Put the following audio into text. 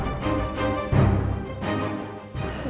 karena nikah sama haris